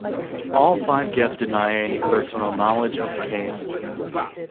All five guests deny any personal knowledge of the case.